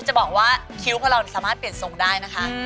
จะบอกว่าคิ้วของเราสามารถเปลี่ยนทรงได้นะคะ